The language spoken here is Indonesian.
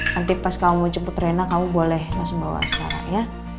nanti pas kamu jemput rena kamu boleh langsung bawa sekarang ya